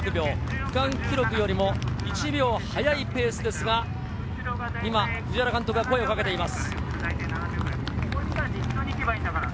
区間記録よりも１秒速いペースですが、藤原監督が声をかけています。